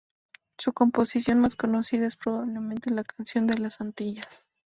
Su composición más conocida es probablemente "La canción de las Antillas".